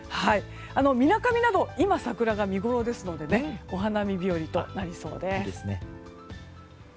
みなかみだと今、桜が見ごろですのでお花見日和となりそうです。